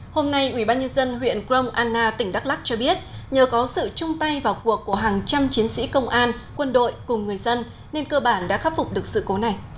hôm nay ubnd huyện grong anna tỉnh đắk lắc cho biết nhờ có sự chung tay vào cuộc của hàng trăm chiến sĩ công an quân đội cùng người dân nên cơ bản đã khắc phục được sự cố này